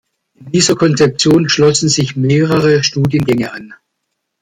Dieser Konzeption schlossen sich mehrere Studiengänge an.